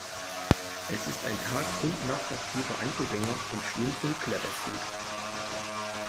Es ist ein tag- und nachtaktiver Einzelgänger und schwimmt und klettert gut.